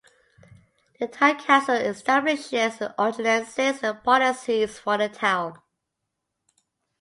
The Town Council establishes ordinances and policies for the town.